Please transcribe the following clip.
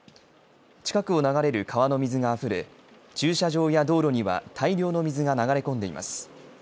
近くを流れる川の水があふれ駐車場や道路には大量の水が流れ込んでいます。